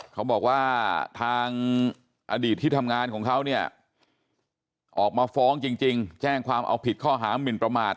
เขาบอกว่าทางอดีตที่ทำงานของเขาเนี่ยออกมาฟ้องจริงแจ้งความเอาผิดข้อหามินประมาท